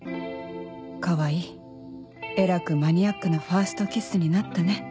川合えらくマニアックなファーストキスになったね